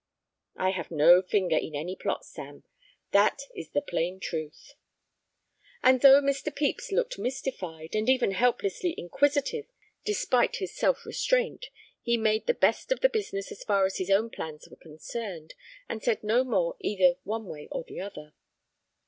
"I have no finger in any plot, Sam; that is the plain truth." And though Mr. Pepys looked mystified, and even helplessly inquisitive despite his self restraint, he made the best of the business as far as his own plans were concerned, and said no more either one way or the other.